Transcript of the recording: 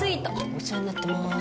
お世話になってます。